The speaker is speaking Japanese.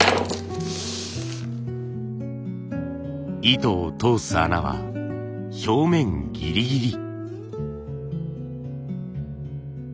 糸を通す穴は表面ギリギリ。